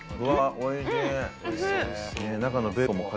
おいしい。